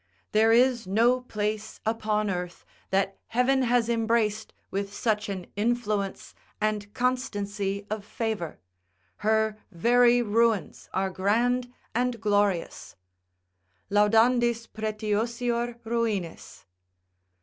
There is no place upon earth that heaven has embraced with such an influence and constancy of favour; her very ruins are grand and glorious, "Laudandis pretiosior ruinis."